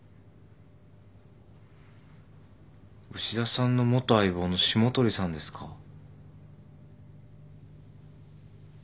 牛田さんの元相棒の霜鳥さんですか？